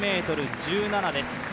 ７０ｍ１７です。